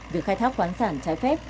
việc khai thác khoáng sản trái phép